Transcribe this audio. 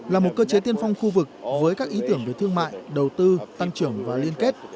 là một cơ chế tiên phong khu vực với các ý tưởng về thương mại đầu tư tăng trưởng và liên kết